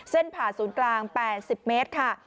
ผ่าศูนย์กลาง๘๐เมตรค่ะ